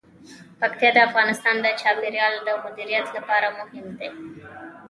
پکتیکا د افغانستان د چاپیریال د مدیریت لپاره مهم دي.